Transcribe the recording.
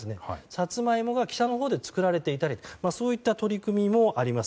サツマイモが北のほうで作られていたりそういった取り組みもあります。